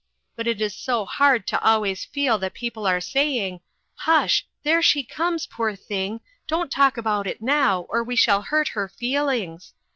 But it is so hard to always feel that people are saying: 'Hush! there she comes, poor thing, don't talk about it now, or we shall hurt her feelings